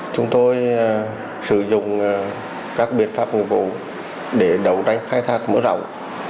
chúng tôi sử dụng các biện pháp người vụ để đầu đánh khai thác mở rộng